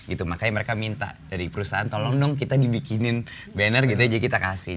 gitu makanya mereka minta dari perusahaan tolong dong kita dibikinin banner gitu jadi kita kasih